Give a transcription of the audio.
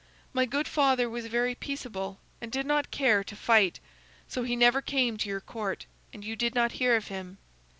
My good father was very peaceable and did not care to fight; so he never came to your Court, and you did not hear of him.